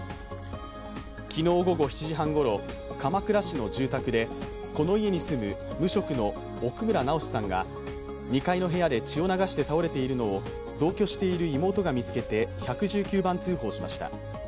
昨日午後７時半ごろ鎌倉市の住宅でこの家に住む無職の奧村直司さんが２階の部屋で血を流して倒れているのを同居している妹が見つけて１１９番通報しました。